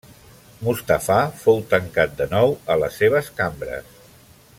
Mustafà fou tancat de nou a les seves cambres.